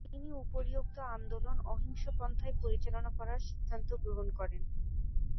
তিনি উপরিউক্ত আন্দোলন অহিংস পন্থায় পরিচালনা করার সিদ্ধান্ত গ্রহণ করেন।